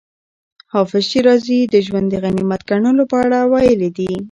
حافظ شېرازي د ژوند د غنیمت ګڼلو په اړه ویلي دي.